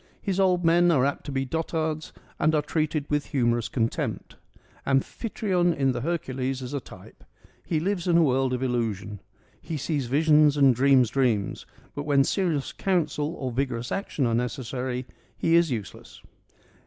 His old men are apt to be dotards and are treated with humorous contempt. Amphitryon in the Hercules is a type : he lives in a world of illusion : he sees visions and dreams dreams, but when serious counsel or vigorous action are necessary he is useless.